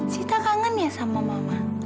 sita kangen ya sama mama